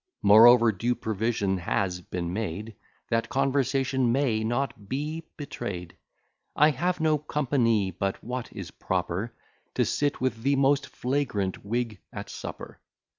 Moreover, due provision has been made, That conversation may not be betray'd; I have no company but what is proper To sit with the most flagrant Whig at supper.